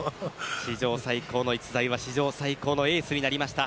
史上最高の逸材は史上最高のエースになりました。